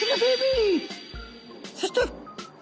そして。